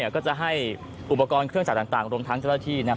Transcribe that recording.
ก็จะให้อุปกรณ์เครื่องจักรต่างรวมทั้งเจ้าหน้าที่